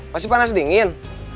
masih panas dingin